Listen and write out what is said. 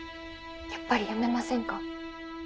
やっぱりやめませんか。